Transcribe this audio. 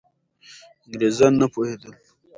انګریزان نه پوهېدل.